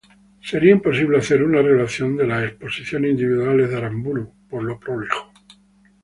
Sería imposible hacer una relación de las exposiciones individuales de Aramburu, por lo prolijo.